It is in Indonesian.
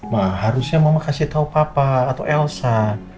ma harusnya mama kasih tau papa atau elsa